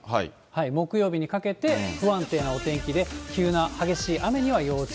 木曜日にかけて、不安定なお天気で、急な激しい雨には要注